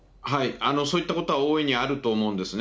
そういったことは大いにあると思うんですね。